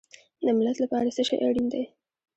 د ملت لپاره څه شی اړین دی؟